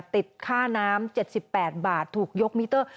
ติดค่าน้ำ๗๘บาทถูกยกมิเตอร์